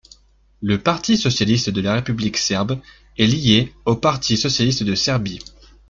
Le Parti socialiste de la République serbe est lié au Parti socialiste de Serbie.